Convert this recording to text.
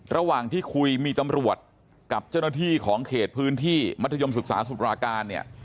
ระหว่างที่คุยมีตำรวจกับเจ้าหน้าที่ของเขตพื้นที่มัธยมศึกษาสุดราการเนี่ย